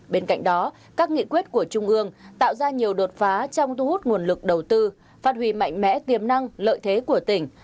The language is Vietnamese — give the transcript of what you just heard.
bên cạnh đó các nghị quyết của trung ương tạo ra nhiều đột phá trong thu hút nguồn lực đầu tư phát huy mạnh mẽ tiềm năng lợi thế của tỉnh